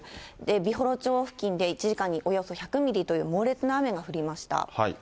美幌町付近で１時間におよそ１００ミリという猛烈な雨が降りました。